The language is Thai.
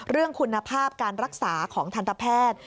เรื่องคุณภาพการรักษาของทันตแพทย์